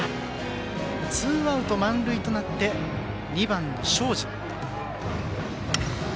ツーアウト満塁となって２番の東海林。